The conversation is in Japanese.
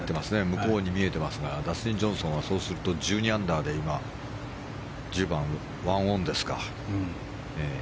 向こうに見えてますがダスティン・ジョンソンはそうすると１２アンダーで今、１０番を１オンですか。